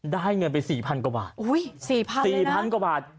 ได้เงินไปสี่พันกว่าบาทอุ้ยสี่พันสี่พันกว่าบาท